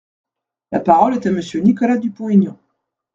La parole est à Monsieur Nicolas Dupont-Aignan.